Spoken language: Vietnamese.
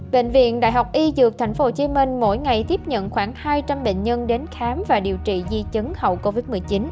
bệnh viện đại học y dược tp hcm mỗi ngày tiếp nhận khoảng hai trăm linh bệnh nhân đến khám và điều trị di chứng hậu covid một mươi chín